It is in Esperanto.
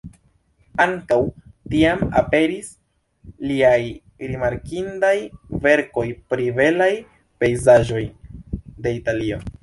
Ankaŭ tiam aperis liaj rimarkindaj verkoj pri belaj pejzaĝoj de Italio.